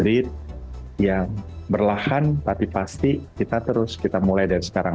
jadi yang berlahan tapi pasti kita terus kita mulai dari sekarang